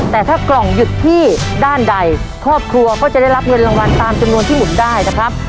แต่ถ้ากล่องหยุดที่ด้านใดครอบครัวก็จะได้รับเงินรางวัลตามจำนวนที่หมุนได้นะครับ